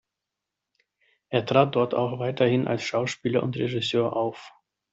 Er trat dort auch weiterhin als Schauspieler und Regisseur auf.